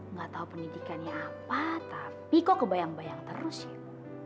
nggak tahu pendidikannya apa tapi kok kebayang bayang terus syuku